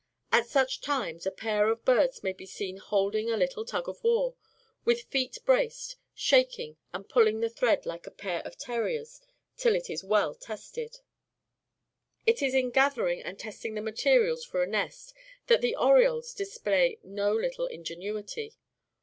At such times a pair of birds may be seen holding a little tug of war, with feet braced, shaking and pulling the thread like a pair of terriers, till it is well tested. It is in gathering and testing the materials for a nest that the orioles display no little ingenuity.